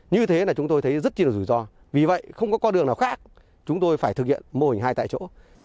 như thế là chúng tôi thấy rất chi là rủi ro vì vậy không có con đường nào khác chúng tôi phải thực hiện mô hình hai tại chỗ